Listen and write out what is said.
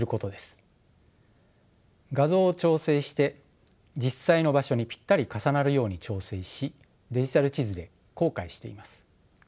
画像を調整して実際の場所にぴったり重なるように調整しデジタル地図で公開しています。